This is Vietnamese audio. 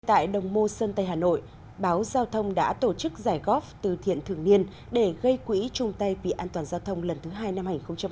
tại đồng mô sơn tây hà nội báo giao thông đã tổ chức giải góp từ thiện thường niên để gây quỹ trung tây vì an toàn giao thông lần thứ hai năm hai nghìn hai mươi